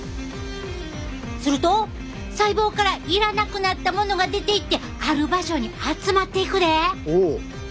すると細胞からいらなくなったものが出ていってある場所に集まっていくで。